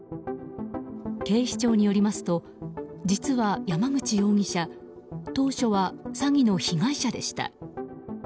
警視庁によりますと実は山口容疑者当初は詐欺の被害者でした。